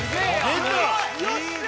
よっしゃ！